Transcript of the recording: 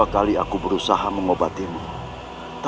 dua x aku berusaha me lima puluh sembilan kaeng